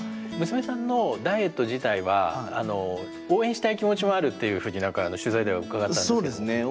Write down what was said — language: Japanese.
娘さんのダイエット自体は応援したい気持ちもあるというふうに取材では伺ったんですけど。